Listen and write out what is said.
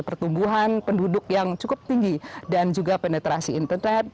pertumbuhan penduduk yang cukup tinggi dan juga penetrasi internet